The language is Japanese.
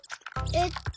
えっと。